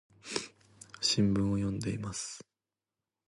新聞を読んでいます。